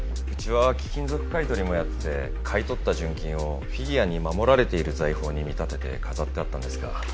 うちは貴金属買い取りもやってて買い取った純金をフィギュアに守られている財宝に見立てて飾ってあったんですが。